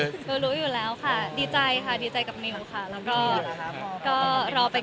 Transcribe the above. เรารู้อยู่แล้วค่ะ